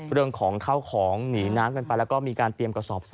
เริ่มของเข้าของหนีน้ำกันไป